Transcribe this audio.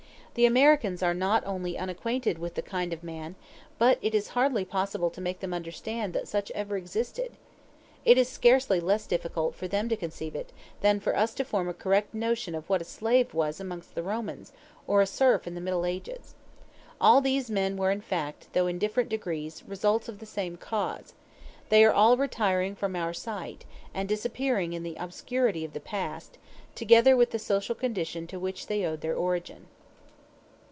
The Americans are not only unacquainted with the kind of man, but it is hardly possible to make them understand that such ever existed. It is scarcely less difficult for them to conceive it, than for us to form a correct notion of what a slave was amongst the Romans, or a serf in the Middle Ages. All these men were in fact, though in different degrees, results of the same cause: they are all retiring from our sight, and disappearing in the obscurity of the past, together with the social condition to which they owed their origin.